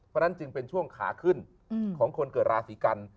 เพราะฉะนั้นจึงเป็นช่วงขาขึ้นของคนเกิดราศีกัน